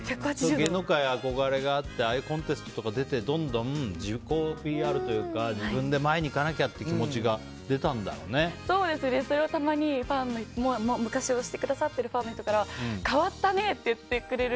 芸能界憧れがあってああいうコンテストとか出てどんどん、自己ＰＲというか自分で前に行かなきゃというそれをたまに昔を知ってくださってるファンの方から変わったねって言ってくれる。